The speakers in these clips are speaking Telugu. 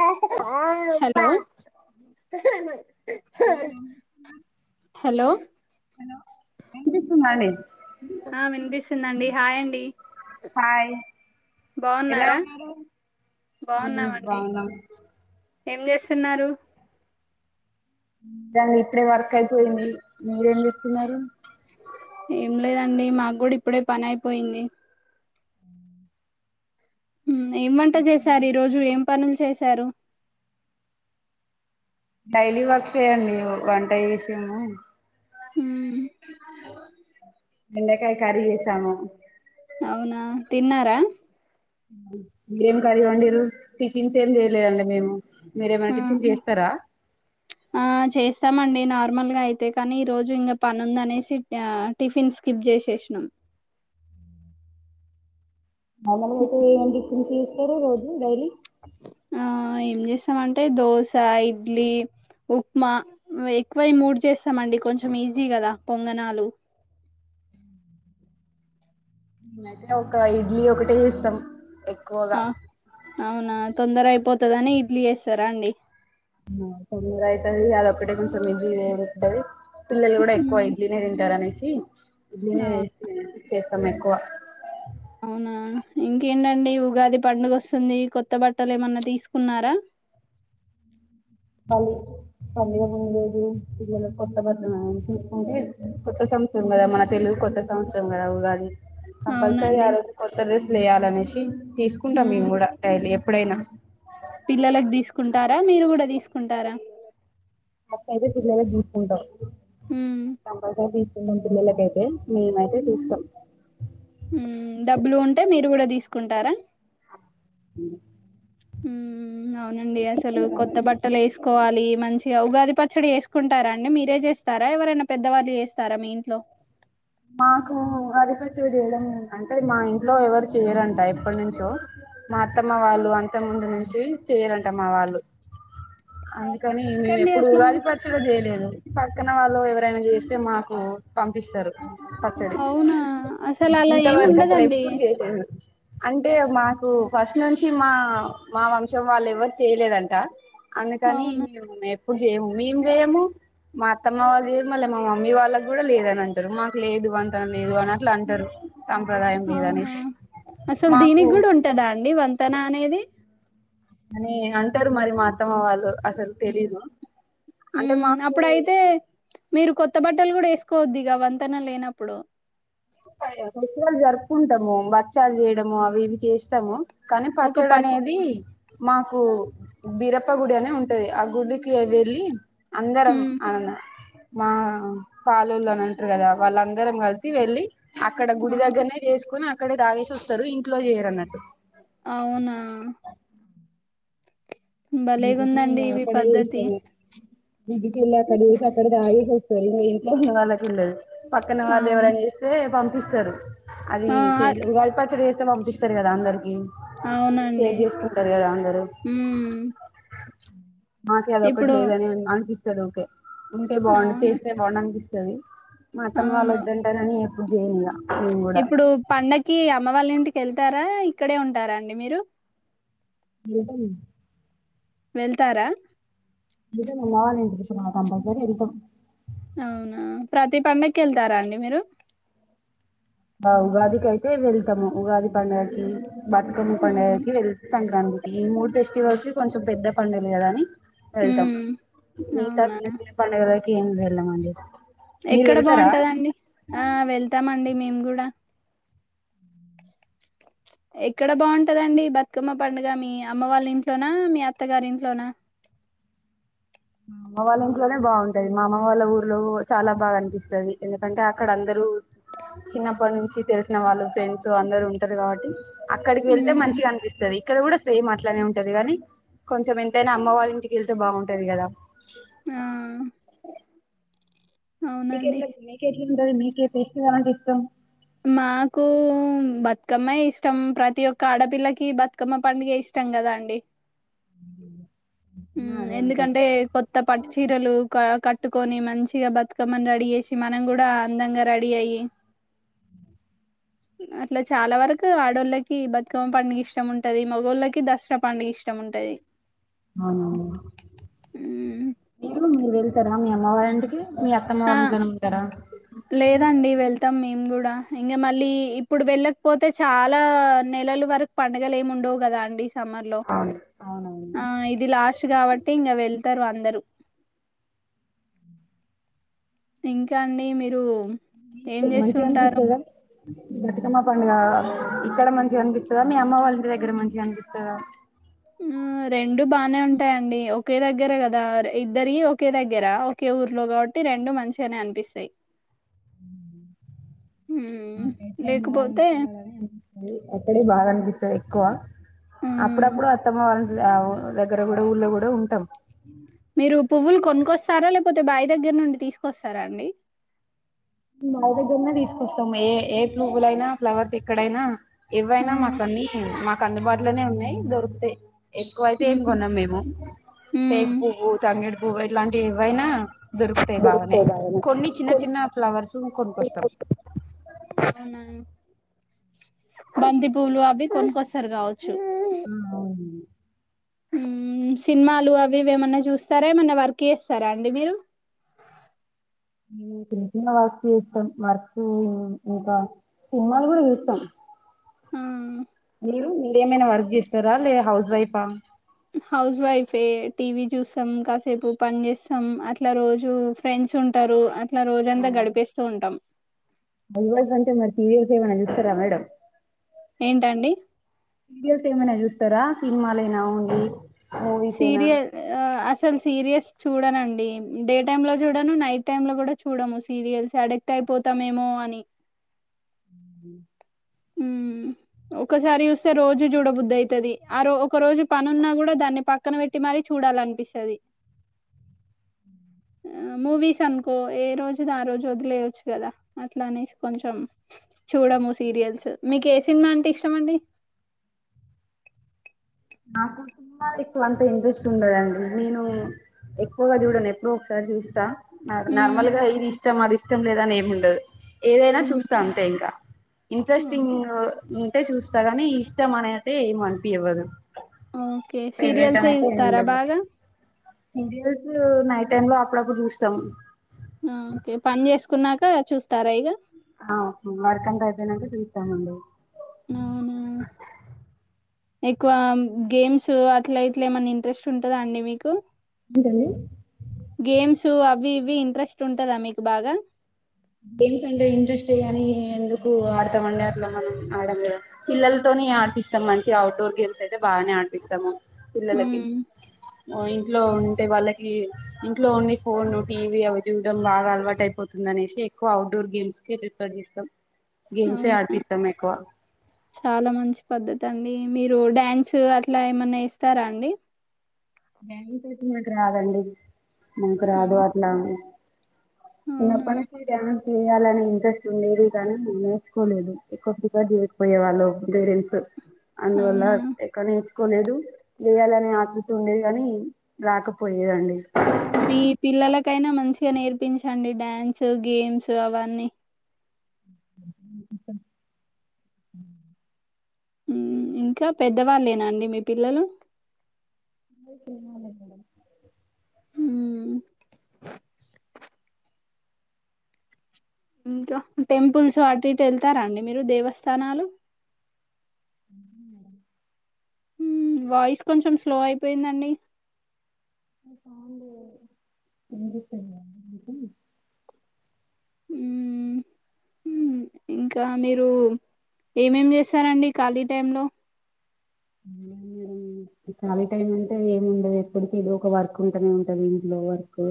హలో ఊహు ఉహ్ హలో మండి ఆ వినిపిస్తుందండి హాయ్ అండి హాయ్ ఎలా బాగున్నారా బాగున్నామండి వున్నారు ఏం జేస్తున్నారు నాది ఇప్పుడే వర్క్ అయిపోయింది మీరేం జేత్తున్నారు ఏం లేదండి మాక్కూడా ఇప్పుడే పనైపోయింది ఏం వంట చేశారు ఈ రోజు ఏం పనుల్ చేశారు డైలీ వర్క్ చేయండి ఒక గంట చేసాము బెండకాయ కర్రి చేసాము అవునా తిన్నార ఎమ్ కర్రి వండిర్రు టిఫిన్స్ ఏం చేయలేదండి మేము మీరేమైనా టిఫిన్స్ చేస్తరా తమండి నార్మల్గా అయితే కానీ ఈ రోజు ఇంకా పని ఉందనేసి టిఫిన్ స్కిప్ చేసేసినాం మామూలుగైతే టిఫిన్ కి మీరు రోజు డైలీ ఆ ఏం జెస్తామంటే దోశ ఇడ్లీ ఉప్మా ఎక్కువ ఈ మూడు చేస్తామండి కొంచెం ఈజీ కదా పొంగనాలు మేమైతే ఒక ఇడ్లీ ఒకటే ఇస్తాం అ అవునా తొందర ఐయిపోతదని ఇడ్లీ చేస్తర్ రాండి ఆ తొందర ఐతది అదిక్కటే కొంచెం ఇజీ [unintelligible] పిల్లలు కూడా ఎక్కువ ఆ మ్మ్. ఇడ్లీనే తింటారనేసి ఇడ్లీ నే అవు చేస్తి చె [inaudible] మ్మెక్కువ ఆ ఇంకేంటండి ఉగాది పండుగ వస్తుంది కొత్త బట్టలు ఏమన్నా తీసుకున్నారా [unintelligible] పని ఎం లేదు పిల్లలకు కొత్త బట్టలు ఆ తీసుకుంటే కొత్త సంవత్సరం కదా మన తెలుగు కొత్త సంవత్సరం కదా ఉగాది కంపల్సరి ఆ అవునండి రోజు కొత్త డ్రెస్సులెయ్యాలి దనేషి తీసుకుంటాం మేము గూడా డైలీ ప్పుడైనా పిల్లలక్ దీస్కుంటారా మీరు కూడా దీస్కుంటారా అటు సైడ్ ఐతే బ్లౌజ్ తీసుకుంటాం మ్మ్ కంపల్సరీ తీస్ [unintelligible] పిల్లలకైతే మేమయితే తీసుకోం మ్ డబ్బులు ఉంటె మీరు గూడా తీసుకుంటారా అహ్ ఉమ్ అవునండి అసలు కొత్త బట్టలేసుకోవాలి మంచిగా ఉగాది పచ్చడి చేసుకుంటారా అండి మీరే చేస్తారా ఎవరైనా పెద్దవాళ్ళు చేస్తారా మీ ఇంట్లో మాకు ఉగాది పచ్చడి చేయడం అంటే మా ఇంట్లో ఎవరు చేయరంట ఎప్పటి నుంచో మా అత్తమ్మ వాళ్ళు అంత ముందు నుంచి చెయ్యరంట మా వాళ్ళు అవునా అందుకని మేము ఎందుకండి ఎప్పుడు అట్లా ఉగాది పచ్చడి చెయ్యలేదు పక్కన వాళ్ళు ఎవరైనా చేస్తే మాకు పంపిస్తారు పచ్చడి అవునా అసలు అలా ఏమి ఇంతవరకు ఉండదండి అసలెప్పుడు చెయ్ లేదు అంటే మాకు ఫస్ట్ నుంచి మా మా వంశం వాళ్ళ ఎవ్వరు చేయలేదంట అందుకని అవును మేము ఎపుడూ చేయము మేము చేయము మా అత్తమ్మ వాళ్ళ చేయము మళ్ళీ మా మమ్మీ వాళ్ళకి కూడా లేదని అంటారు లేదు అంటాను లేదు అని అట్లా అంటారు సాంప్రదాయం అవునా లేదనేసి అసలు మాకు దీనికి కూడా ఉంటదా అండి తన అనేది అని అంటారు మరి మా అత్తమ్మ వాళ్ళు అసలు తెలీదు అంటే ఉమ్ మాకు అప్పుడయితే మీరు కొత్త కొత్త బట్టలు కూడా వేసుకోవద్దు ఇక వంతెన లేనప్పుడు ఫెస్టివల్ జరుపుకుంటాము భక్షాలు చేయడము అవి ఇవి చేస్తాము కానీ ఒక ప పచ్చడి అనేది మాకు బీరప్ప గుడి అనే ఉంటది ఆ గుడికి వెళ్ళి అందరం ఉమ్ ఆనందం మా పాలోల్లు అని అంటారు కదా వాళ్ళందరం కలిసి వెళ్ళి అక్కడ గుడి ఉమ్, దగ్గరనే చేసుకుని అక్క అక్కడే తాగేసి వస్తారు ఇంట్లో చేయరు అన్నట్టు అవునా [unintelligible] భలేగుందండి ఇవి పద్ధతి ఇంటికెళ్ళకా [unintelligible] తెలివి ఇంట్లో ఉన్న వాళ్లకు ఉండదు పక్కన వాళ్ళు అవును ఎవరైనా చేస్తే పంపి ఇస్తారు అవి ఆ ఉగాది పచ్చడి చేస్తే పంపిస్తారు కదా అందరికి అవునండి సేవ్ చేసుకుంటారు కదా అందరు ఉమ్ మాకి అది ఒక్కటి ఇప్పుడు లేదే అని అనిపి సరే ఓకే ఉంటే బాగుండు అవును చేస్తే బాగుండు అనిపి రవి మా అత్తమ్మ వాళ్ళు అవును వద్దంటారని చేయను ఇగ ఇప్పుడు పండక్కి అమ్మ వాళ్ల ఇంటిక వెళ్తారా? ఇక్కడే ఉంటారా అండి మీరు? ఉంటాము వెళ్తారా? రిటర్న్ నేను రావలనే విత్ రా కాంబరీత్ఏరీతిం అవునా, ప్రతి పండక్కి వెళ్తారా అండి మీరు? మా ఉగాదికి అయితే వెళ్తాము. ఉగాది పండక్కి. బతుకమ్మ హ్మ్ పండక్కి వెళ్తే, సంక్రాంతి ఈ మూడు ఫెస్టివల్స్ కొంచెం పెద్ద పండుగలు అని. వెళ్తాం. హ్మ్ మిగతా అవునా చిన్న చిన్న పండగల్కి. ఏం వెళ్ళమండి మేము ఎక్కడ బాగుంటాది అండి? ఆ వెళ్తాము అండి మేము. కూడా ఎక్కడ బాగుంటాది అండి బతుకమ్మ పండగ? మీ అమ్మ వాళ్ల ఇంట్లోనా? మీ అత్తగారి ఇంట్లోనా? మా అమ్మ వాళ్ల ఇంట్లోనే బాగుంటాది. మా అమ్మ వాళ్ల ఊరిలో చాలా బాగా అనిపిస్తాది. ఎందుకంటే అక్కడ అందరూ. చిన్నప్పటి నుంచి తెలిసిన వాళ్లు, ఫ్రెండ్స్ అందరూ ఉంటారు, కాబట్టి అక్కడికి వెళ్తే హ్మ్ మంచిగా అనిపిస్తాది. ఇక్కడ కూడా సేమ్ అట్లానే ఉంటాది కానీ. కొంచెం ఎంతైనా అమ్మ వాళ్ల ఇంటికి వెళ్తే బాగుంటాది కదా! ఆ అవునండి మీకెట్లా? మేకెట్లుంది? ఉంటాది మీకే ఫెస్టివల్ అంటే ఇష్టం? మాకు హ్మ్ బతుకమ్మ ఇష్టం. ప్రతి ఒక్క ఆడపిల్లకి బతుకమ్మ పండగే ఇష్టం కదా అండి? ఆ! హ్మ్ అదే ఉంటది. ఎందుకంటే కొత్త పట్టు చీరలు క కట్ కట్టుకొని మంచిగా బతుకమ్మన రెడీ చేసి, మనం కూడా అందంగా రెడీ అయ్యి అట్లా చాలావరకు ఆడోళ్లకి బతుకమ్మ పండగ ఇష్టం ఉంటది. మొగోళ్లకి దసరా పండగ ఇష్టం ఉంటది. అవును, మ్మ్ మీరు మీవే. వెళ్తారా? మీ అమ్మ వాళ్ల ఇంటికి? మీ అత్తమ్మ ఆ వాళ్ల ఇంట్లోనే ఉంటారా? లేదండి వెళ్తాం మేము కూడా ఇంక మళ్లీ ఇప్పుడు వెళ్లకపోతే చాలా నెలలు వరకు పండగలు ఏమ ఉండవు కదా అండి. సమ్మర్‌లో అవునవును. అ ఇది లాస్ట్ కాబట్టి ఇంక వెళ్ ఒతారు అందరూ ఇంకా అండి, మీరు ఏం మీకు మంచిగా చేస్తుంటారు అనిపిస్తాదా? బతుకమ్మ పండగా ఇక్కడ మంచిగా అనిపిస్తాదా? మీ అమ్మ వాళ్ల ఇంటి దగ్గర మంచిగా అనిపిస్తాదా? హ్మ్ రెండూ బాగానే ఉంటాయి అండి. ఒకే దగ్గర కదా, ఇద్దరి ఒకే దగ్గర ఒకే ఊరిలో కాబట్టి రెండూ మంచిగానే అనిపిస్తాయి. మ్మ్ మాకైతే అమ్మ వాళ్ల లేకపోతే ఇంటికి వెళ్లాలని అనిపిస్తాది. అక్కడే బాగా అనిపిస్ ఇక్కడే ఎక్కువ మ్మ్ అప్పుడప్పుడు అత్తమ్మ వాళ్ల దగ్గర కూడా, ఊరిలో కూడా ఉంటాం. మీరు పువ్వులు కొనుక్కొస్తారా? లేకపోతే బాయి దగ్గర నుండి తీసుకొస్తారా అండి! బాయి దగ్గరనే తీసుకొస్తాం! ఏ ఏ పువ్వులు అయినా, ఫ్లవర్స్ ఎక్కడైనా. ఏవైనా మ్మ్ మాకని మా అందుబాటులోనే ఉన్నాయి, దొరుకుతాయి. ఎక్కువ ఐతే ఏం మ్మ్ కొనము మేము టేకు మ్మ్ పువ్వు, తంగేడు పువ్వు పువ్వు ఇలాంటి ఇవ్వైనా దొరుకుతాయి బాగానే కొన్ని చిన్న చిన్న ఫ్లవర్స్ కొనుకొస్తాం. అవునా బంతి పూలు అవి కొనుకొస్తారు కావచ్చు. ఆ అవును ఊ సినిమాలు అవి ఇవి ఏమన్నా చూస్తారా ఏమన్నా వర్క్ చేస్తారా అండి మీరు చిన్న చిన్న వర్క్ చూస్తాం వర్క్ ఇంకా సినిమాలు కూడా చూస్తాం. ఆ మీరు మీరు ఏమైనా వర్క్ చేస్తారా లేద హౌస్ వైఫా హౌస్ వైఫే టీవీ చూస్తాం కాసేపు పని చేస్తాం అట్లా రోజు ఫ్రెండ్స్ ఉంటారు అట్ అట్లా రోజంతా గడిపేస్తూ ఉంటాం. హౌస్ వైఫ్ అంటే మీరు సీరియల్స్ ఏమైనా చూస్తారా మేడం ఏంటండి సీరియల్స్ ఏమన్నా చూస్ చూస్తారా సినిమాలైనా ఓన్లీ మూవీసేనా సీరియల్ ఆ అసలు సీరియస్ చూడనండి డే టైమ్ లో చూడను నైట్ టైమ్ లో కూడా చూడము సీరియల్స్ అడిక్ట్ అయిపోతామేమో అని ఊ ఒక్కసారి చూస్తే రోజు చూడబుద్దయితది ఆ ఒక రోజు పని ఉన్నా కూడాదాన్ని పక్కన పెట్టి మరీ చూడాలనిపిస్తది ఆ మూవీస్ అనుకో ఏ రోజుది ఆ రోజు వదిలేయవచ్చు కదా అట్లా అనేసి కొంచెం చూడము సీరియల్స్ మీకు ఏ సినిమా అంటే ఇష్టమండి. నాకు సినిమాలు ఎక్కువ అంత ఇంట్రెస్ట్ ఉండదండి. నేను ఎక్కువగా చూడను ఎప్పుడో ఒకసారి చూస్తా నాది హ్మ్ నార్మల్గా ఇది ఇష్టం అది ఇష్ ఇష్టం లేదని ఏమ్ ఉండదు. ఏదైనా హ్మ్ చూస్తా అంతే ఇంకా హ్మ్. ఇంట్రెస్టింగు ఉంటే చూస్తా కాని ఇష్టం అనేతే ఏమ్ అనిపివ్వదు. ఓకే పెళ్లియితే సీరియల్సే నుంచీ ఏం చూస్తారా ఉండదూ బాగా? ఇంట్రెస్ట్ నైట్ టైమ్ లో అప్పుడప్పుడు చూస్తాం. ఊ ఓకే పని చేస్ చేసుకన్నాక చూస్తారా ఇగ ఆ వర్క్ అంత అయిపోయినాక చూస్తా మండి. అవునా! ఎక్కువ గేమ్స్ అట్ల ఇట్లా ఏమన్నా ఇంట్రెస్ట్ ఉంటదా అండి మీకు ఏంటండి గేమ్స్ అవి ఇవి ఇవి ఇంట్రెస్ట్ ఉంటదా మీకు బాగా గేమ్స్ అంటే ఇంట్రెస్టే కాగాని ఎందుకు ఆడతామండి అట్లా మనం ఆడం కద పిల్లలతోనే ఆడిపిస్తాం మంచి ఔట్ డోర్ గేమ్స్ అయితే బాగానే ఆడిపిస్తాము. పిల్లలకి హ్మ్. ఓ ఇంట్లో ఉ అంటే వాళ్ళకి ఇంట్లో ఓన్లీ ఫోన్ టీవీ అవి చూడడం బాగా అలవాటు అయిపోతుంది అనేసి ఎక్కువ ఔట్డోర్ గేమ్స్కే ప్రిఫర్ చేస్తాం. గేమ్స్ ఏ అవునా! ఆడిపిస్తాము ఎక్కువ చాలా మంచి పద్ధతి అండి మీరు డ్యాన్స్ అట్లా ఏమన్నా ఎస్తారా అండి. డాన్స్ అయితే నాకు రాదండి. మాకు రాదు అవు అట్లా అవునా! చిన్నప్పటి నుంచి డాన్స్ చేయాలనే ఇంట్రెస్ట్ ఉండేది కానీ నే నేర్చుకోలేదు ఎక్కువ ప్రిఫర్ చేయకపోయే వాళ్ళు పేరెంట్స్ అందువల్ల అవునా! ఎక్కనుంచ్ కోలేదు చేయాలని ఆసక్త్ ఉండేది కాని రాకపోయేదండి మీ పిల్లలకైనా మంచిగా నేర్పించండి డ్యాన్స్ గేమ్స్ అవన్నీ ఇంకా పెద్దవాళ్ళేనాండి మీ పిల్లలు మ్మ్ ఇంకా టెంపుల్స్ అటు ఇటు వెళ్తారా అండి మీరు దేవస్థానాలు మ్మ్ వాయిస్ కొంచెం స్లో అయిపోయిందండి మ్మ్ మ్మ్ మ్మ్ ఇంకా మీరు ఏమేమి చేస్తారండి ఖాళీ టైం లో మే ఖాళీ టైమ్ అంటే ఏంముండదు ఎప్పుడుకి ఏదో ఒక వర్క్ ఉంటానే ఉంటంది ఇంట్లో వర్క్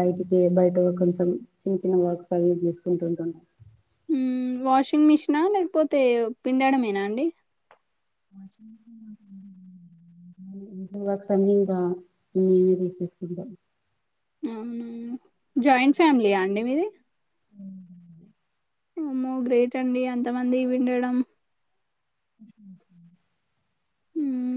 బయటికి బయట కొంచెం చిన్న చిన్న వర్క్స్ అవి చేసుకుంటుంటం వాషింగ్ మిషనా లేకపోతే పిండడమేనా అండి [unintelligible] మేమే తీసేసుకుంటాం అవునా జాయింట్ ఫ్యామిలీయా అండి మీది అమ్మో గ్రేట్ అండి ఎంతమంది విండడం మ్మ్